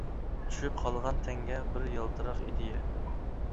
چۈشۈپ قالغان تەڭگە بىر يالتىراق ئىدىيە.